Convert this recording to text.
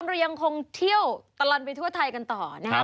เรายังคงเที่ยวตลอดไปทั่วไทยกันต่อนะครับ